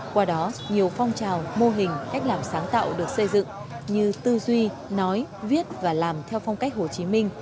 qua đó nhiều phong trào mô hình cách làm sáng tạo được xây dựng như tư duy nói viết và làm theo phong cách hồ chí minh